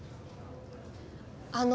あの。